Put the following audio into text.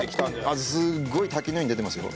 あっすごい滝のように出てますよ。